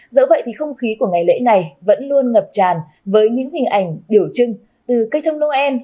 dẫu vậy thì không khí của ngày lễ này vẫn luôn ngập tràn với những hình ảnh biểu trưng từ cây thông noel